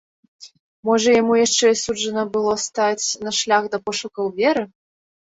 Можа яму яшчэ і суджана было стаць на шлях да пошукаў веры.